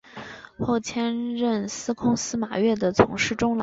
后迁任司空司马越的从事中郎。